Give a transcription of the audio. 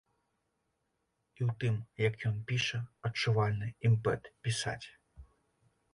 І ў тым, як ён піша, адчувальны імпэт пісаць.